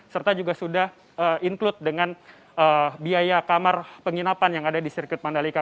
serta juga sudah include dengan biaya kamar penginapan yang ada di sirkuit mandalika